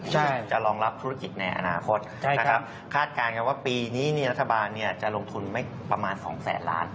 จะรองรับธุรกิจในอนาคตคาดการณ์ว่าปีนี้รัฐบาลจะลงทุนประมาณ๒๐๐ล้าน